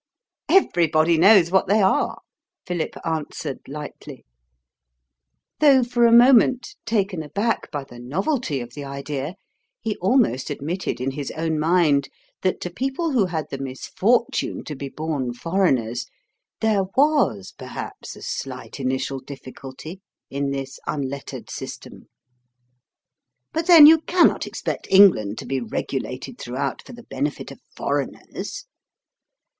"Everybody knows what they are," Philip answered lightly. Though for a moment, taken aback by the novelty of the idea, he almost admitted in his own mind that to people who had the misfortune to be born foreigners, there WAS perhaps a slight initial difficulty in this unlettered system. But then, you cannot expect England to be regulated throughout for the benefit of foreigners!